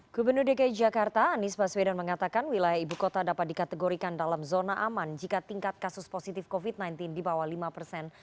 gubernur dki jakarta anies baswedan mengatakan wilayah ibu kota dapat dikategorikan dalam zona aman jika tingkat kasus positif covid sembilan belas di bawah lima persen